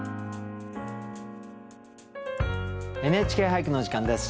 「ＮＨＫ俳句」のお時間です。